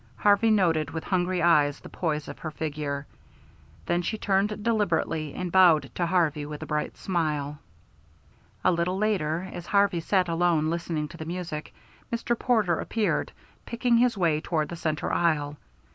Harvey noted with hungry eyes the poise of her figure. Then she turned deliberately, and bowed to Harvey with a bright smile. A little later, as Harvey sat alone listening to the music, Mr. Porter appeared, picking his way toward the centre aisle.